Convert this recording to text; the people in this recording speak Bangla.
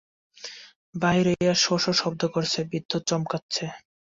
বাইরে হাওয়া শো শো শব্দ করছে, বিদ্যুৎ চমকাচ্ছে।